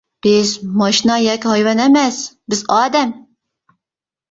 بىز ماشىنا ياكى ھايۋان ئەمەس، بىز ئادەم!